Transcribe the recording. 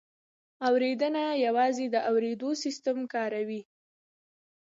اورېدنه یوازې د اورېدو سیستم کاروي